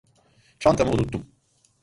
Çantamı unuttum.